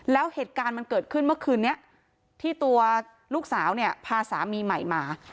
แล้วเหตุการณ์มันเกิดขึ้นเมื่อคืนนี้ที่ตัวลูกสาวเนี่ยพาสามีใหม่มา